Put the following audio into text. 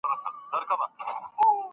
څوک دي نه ګوري و علم او تقوا ته